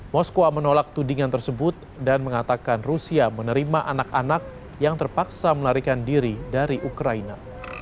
moskwa menolak tudingan tersebut dan mengatakan rusia menerima anak anak yang terpaksa melarikan diri dari ukraina